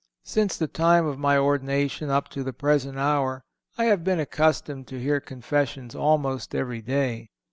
Since the time of my ordination up to the present hour I have been accustomed to hear confessions almost every day.